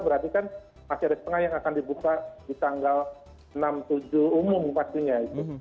berarti kan masih ada setengah yang akan dibuka di tanggal enam tujuh umum pastinya itu